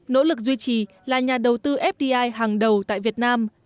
nỗ lực duy trì là nhà đầu tư fdi hàng đầu tại việt nam